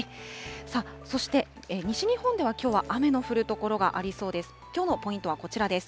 さあ、そして西日本ではきょうは雨の降る所がありそうです。